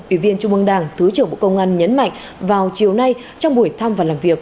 ủy viên trung ương đảng thứ trưởng bộ công an nhấn mạnh vào chiều nay trong buổi thăm và làm việc